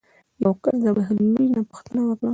یو کس د بهلول نه پوښتنه وکړه.